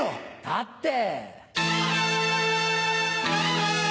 だって。